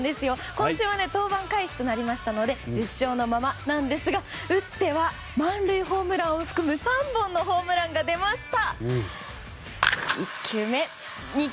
今週は登板回避となりましたので１０勝のままなんですが打っては満塁ホームランを含む３本のホームランが出ました。